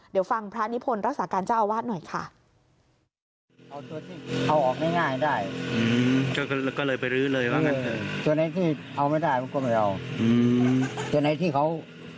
เดี๋ยวฟังพระนิพนธ์รักษาการเจ้าอาวาสหน่อยค่ะ